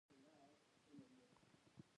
د عناب ونې څومره عمر لري؟